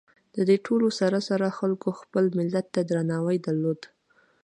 د دې ټولو سره سره خلکو خپل ملت ته درناوي درلود.